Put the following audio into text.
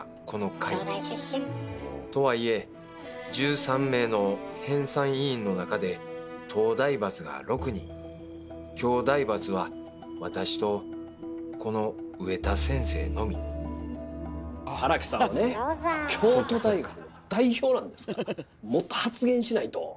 とはいえ１３名の編纂委員の中で東大閥が６人京大閥は私とこの上田先生のみ荒木さんはね京都大学の代表なんですからもっと発言しないと！